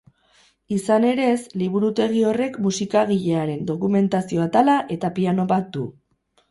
Izan ere, liburutegi horrek musikagilearen dokumentazio atala eta piano bat du.